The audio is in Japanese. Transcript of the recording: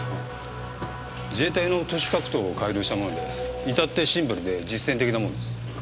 自衛隊の徒手格闘を改良したものでいたってシンプルで実践的なものです。